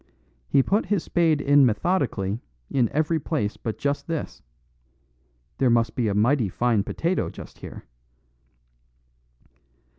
He put his spade in methodically in every place but just this. There must be a mighty fine potato just here."